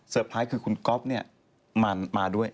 ไพรส์คือคุณก๊อฟเนี่ยมาด้วย